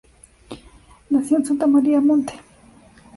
Nació en Santa Maria a Monte.